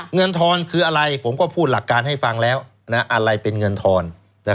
ทอนคืออะไรผมก็พูดหลักการให้ฟังแล้วอะไรเป็นเงินทอน